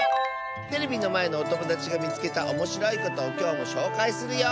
テレビのまえのおともだちがみつけたおもしろいことをきょうもしょうかいするよ！